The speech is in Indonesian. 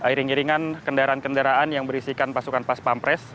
iring iringan kendaraan kendaraan yang berisikan pasukan pas pampres